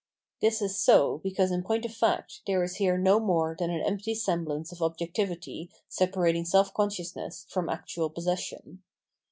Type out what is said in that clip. This is so because in point of fact there is here no more than an empty semblance of objectivity separating self consciousness from actual possession.